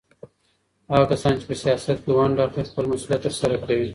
هغه کسان چي په سياست کي ونډه اخلي خپل مسؤليت ترسره کوي.